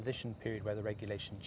di mana perubahan regulasi berubah